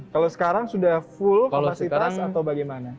kalau sekarang sudah full kapasitas atau bagaimana